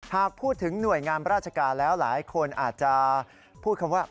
หากพูดถึงหน่วยงามราชการแล้วหลายคนอาจจะพูดคำว่า